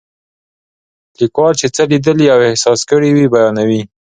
لیکوال چې څه لیدلي او احساس کړي وي بیانوي.